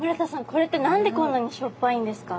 これって何でこんなにしょっぱいんですか？